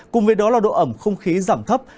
cùng với đó là độ ẩm không khí giảm thấp